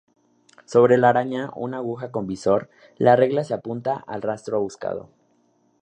Sobre la araña, una aguja con visor, la regla se apunta al astro buscado.